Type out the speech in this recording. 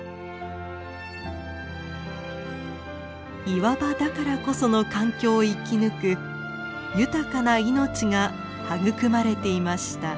岩場だからこその環境を生き抜く豊かな命が育まれていました。